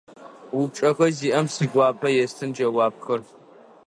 Упчӏэхэ зиӏэм сигуапэу естын джэуапхэр.